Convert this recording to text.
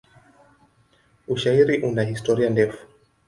Ushairi una historia ndefu.